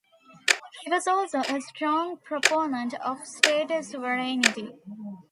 He was also a strong proponent of state sovereignty.